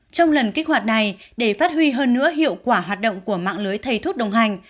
trong lần kích hoạt này để phát huy hơn nữa hiệu quả hoạt động của mạng lưới thầy thuốc đồng hành